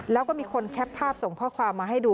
แล้วก็มีคนแคปภาพส่งข้อความมาให้ดู